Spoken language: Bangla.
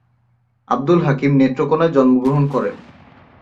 আব্দুল হাকিম নেত্রকোণায় জন্মগ্রহণ করেন।